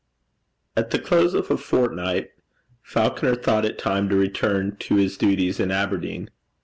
At the close of a fortnight, Falconer thought it time to return to his duties in Aberdeen.